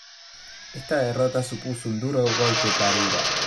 Esta derrota supuso un duro golpe para Irak.